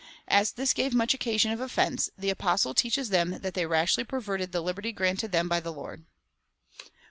As this gave much occasion of offence, the Apostle teaches them that they rashly perverted the liberty granted them by the Lord.